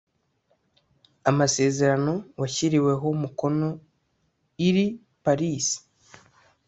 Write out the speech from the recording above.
Amasezerano washyiriweho umukono iri Parisi.